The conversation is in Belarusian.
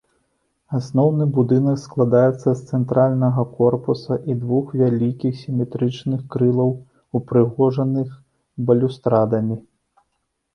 Асноўны будынак складаецца з цэнтральнага корпуса і двух вялікіх сіметрычных крылаў, упрыгожаных балюстрадамі.